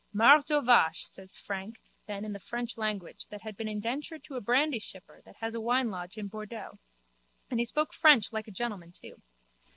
Mort aux vaches, says Frank then in the French language that had been indentured to a brandyshipper that has a winelodge in Bordeaux and he spoke French like a gentleman too.